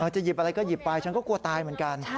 หยิบอะไรก็หยิบไปฉันก็กลัวตายเหมือนกัน